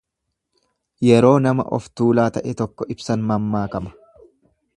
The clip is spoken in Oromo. Yeroo nama oftuulaa ta'e tokko ibsan mammaakama.